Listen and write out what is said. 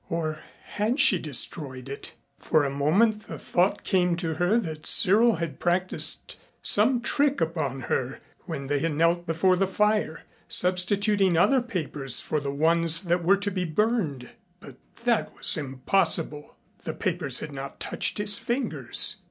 Or hadn't she destroyed it? For a moment the thought came to her that Cyril had practiced some trick upon her when they had knelt before the fire, substituting other papers for the ones that were to be burned. But that was impossible. The papers had not touched his fingers.